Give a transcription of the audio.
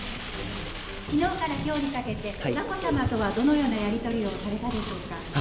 きのうからきょうにかけて、眞子さまとは、どのようなやり取りをされたのでしょうか。